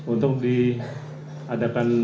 untuk diadakan negosiasi ataupun apapun bentuknya